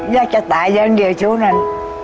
อยากจะตายอย่างเดียวช่วงนั้น